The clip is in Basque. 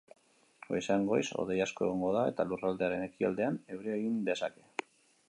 Goizean goiz hodei asko egongo da eta lurraldearen ekialdean euria egin dezake.